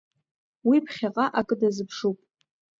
Уи ԥхьаҟа акы дазыԥшуп.